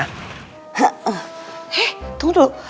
he tunggu dulu